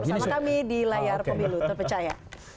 bersama kami di layar pemilu terpercaya